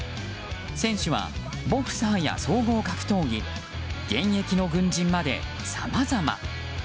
選手はボクサーや総合格闘技現役の軍人まで、さまざま。